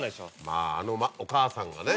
まぁあのお母さんがね